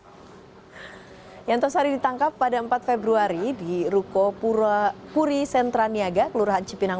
hai yang tersari ditangkap pada empat februari di ruko pura puri sentraniaga kelurahan cipinang